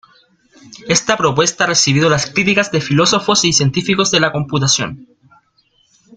Esta propuesta ha recibido las críticas de filósofos y científicos de la computación.